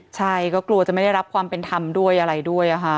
ใช่ก็กลัวจะไม่ได้รับความเป็นธรรมด้วยอะไรด้วย